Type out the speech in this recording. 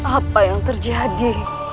apa yang terjadi